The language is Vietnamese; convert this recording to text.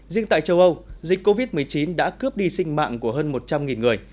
riêng tại châu âu dịch covid một mươi chín đã cướp đi sinh mạng của hơn một trăm linh người